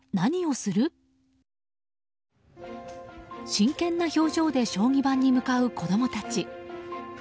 真剣な表情で将棋盤に向かう子供たち。